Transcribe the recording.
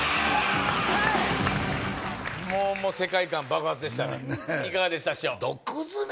もうもう世界観爆発でしたねねえいかがでした？